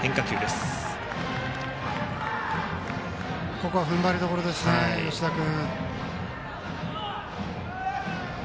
ここは踏ん張りどころですね、吉田君。